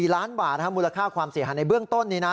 ๔ล้านบาทมูลค่าความเสียหายในเบื้องต้นนี้นะ